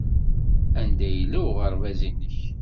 Anda yella uɣerbaz-nnek?